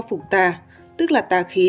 phục tà tức là tà khí